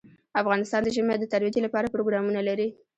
افغانستان د ژمی د ترویج لپاره پروګرامونه لري.